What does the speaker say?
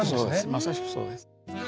まさしくそうです。